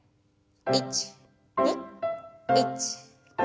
１２１２。